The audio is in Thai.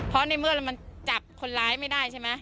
เพราะในเมื่อมันจับคนร้ายไม่ได้ใช่ไหม